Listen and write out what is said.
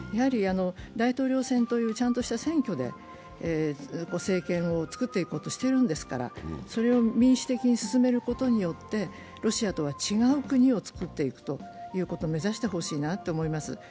大統領選というちゃんとした選挙で政権を作っていこうとしているんですからそれを民主的に進めることによってロシアとは違う国を作っていくことを目指してほしいなと思います。